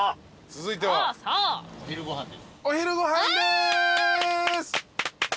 続いては？お昼ご飯です！